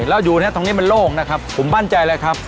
แล้วอยู่ตรงนี้มันโลกนะครับผมบั้นใจเลยครับ